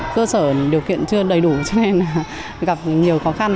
cơ sở điều kiện chưa đầy đủ cho nên gặp nhiều khó khăn